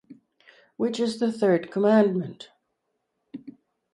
Which is the third commandment?